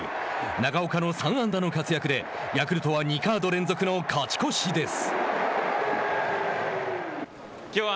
長岡の３安打の活躍でヤクルトは２カード連続の勝ち越しです。